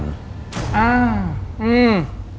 อ่าอืม